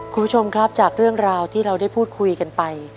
คุณผู้ชมครับจากเรื่องราวที่เราได้พูดคุยกันไป